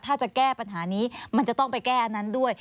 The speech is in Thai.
ถ้าจะแก้ปัญหานี้มันจะต้องไปแก้อันนั้นด้วย